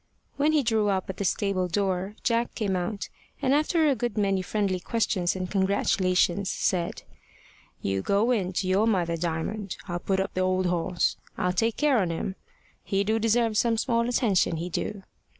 When he drew up at the stable door, Jack came out, and after a good many friendly questions and congratulations, said: "You go in to your mother, Diamond. I'll put up the old 'oss. I'll take care on him. He do deserve some small attention, he do."